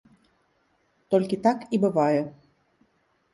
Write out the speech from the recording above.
Толькі так і бывае.